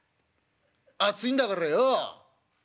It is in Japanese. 熱いんだからよう。